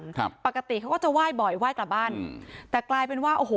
ครับปกติเขาก็จะไหว้บ่อยไหว้กลับบ้านอืมแต่กลายเป็นว่าโอ้โห